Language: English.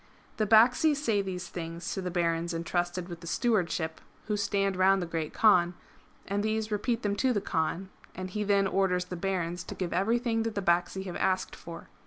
The Bacsi say these things to the Barons entrusted with the Stewardship, who stand round the Great Kaan, and these repeat them to the Kaan, and he then orders the Barons to give everything that the Bacsi have asked for.